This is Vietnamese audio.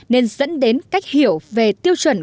nên dẫn đến cách hiểu về tiêu chuẩn